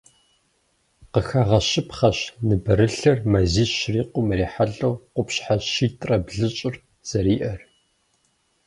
Къыхэгъэщыпхъэщ ныбэрылъыр мазищ щрикъум ирихьэлӏэу къупщхьэ щитӏрэ блыщӏыр зэриӏэр.